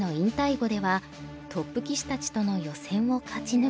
碁ではトップ棋士たちとの予選を勝ち抜き